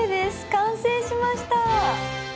完成しました。